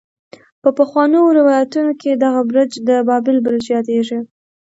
په پخوانو روايتونو کې دغه برج د بابل برج يادېږي.